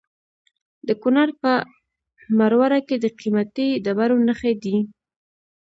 د کونړ په مروره کې د قیمتي ډبرو نښې دي.